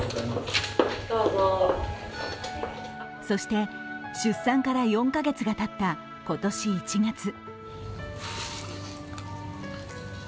そして出産から４カ月がたった今年１月。